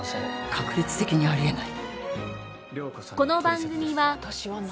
確率的にありえない。